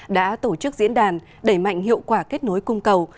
đã tổ chức diễn đàn đẩy mạnh hiệu quả kết nối cung cầu